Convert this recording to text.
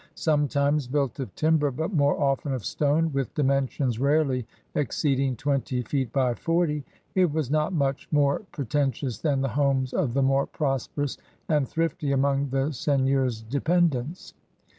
Sometimes built of timber but more often of stone, with dimensions rarely exceeding twenty feet by forty, it was not much more pretentious than the homes of the more prosperous and thrifty among the seigneur's dependents.